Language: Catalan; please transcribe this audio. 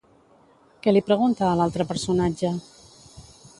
Què li pregunta a l'altre personatge?